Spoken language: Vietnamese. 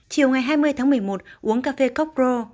chiều ngày hai mươi tháng một mươi một uống cà phê coke pro